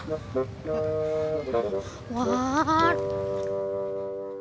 kapan sih claudia